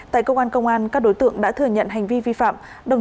tại cơ quan công an các đối tượng đã thừa nhận hành vi vi phạm